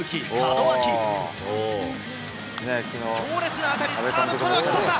強烈な当たり、サード、門脇、捕った。